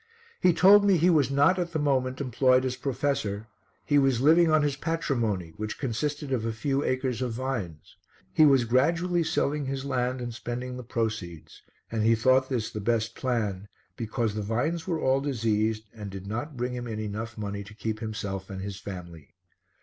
He told me he was not at the moment employed as professor, he was living on his patrimony which consisted of a few acres of vines; he was gradually selling his land and spending the proceeds, and he thought this the best plan because the vines were all diseased and did not bring him in enough money to keep himself and his family.